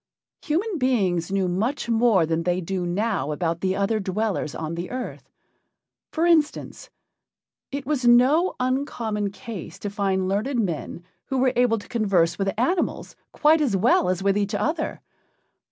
Human beings knew much more than they do now about the other dwellers on the earth. For instance, it was no uncommon case to find learned men who were able to converse with animals quite as well as with each other.